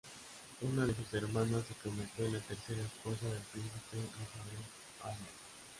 Una de sus hermanas se convirtió en la tercera esposa del príncipe Muhammad al-Badr.